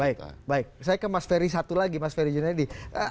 baik baik saya ke mas ferry satu lagi mas ferry junedi